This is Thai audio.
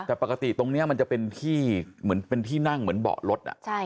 แต่ปกติตรงนี้มันจะเป็นที่นั่งเหมือนเบาะรถ